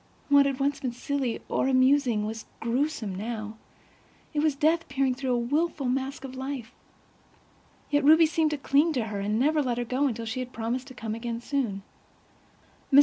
What had once been silly or amusing was gruesome, now; it was death peering through a wilful mask of life. Yet Ruby seemed to cling to her, and never let her go until she had promised to come again soon. Mrs.